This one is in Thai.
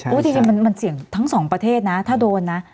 บริเวณมันเสี่ยงทั้ง๒ประเทศถ้าโดนนะ